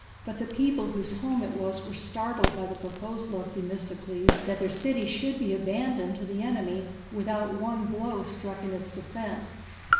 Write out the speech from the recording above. But the people whose home it was were startled by the proposal of Themistocles that their city should be abandoned to the enemy without one blow struck in its defence.